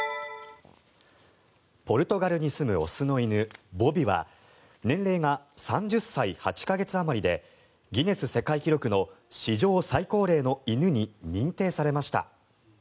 ポルトガルに住む雄の犬ボビは年齢が３０歳８か月あまりでギネス世界記録の史上最高齢の犬に認定されました。